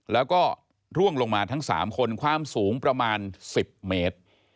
แล้วก็ร่วงลงมาทั้ง๓คนความสูงประมาณ๑๐เมตร